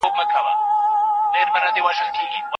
که نورو ته بخښنه ونه کړې نو ذهن به دې ارام نه وي.